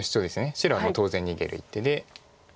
白は当然逃げる一手で。